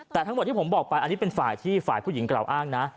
แต่ทั้งหมดที่ผมบอกไปอันนี้เป็นฝ่ายที่ฝ่ายผู้หญิงกล่าวอ้างนะ